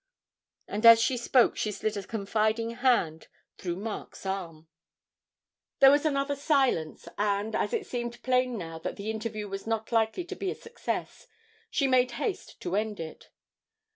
and as she spoke she slid a confiding hand through Mark's arm. There was another silence, and, as it seemed plain now that the interview was not likely to be a success, she made haste to end it.